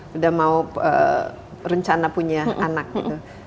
sudah mau rencana punya anak gitu